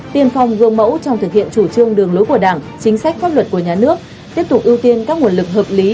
tiên phong gương mẫu trong thực hiện chủ trương đường lối của đảng chính sách pháp luật của nhà nước tiếp tục ưu tiên các nguồn lực hợp lý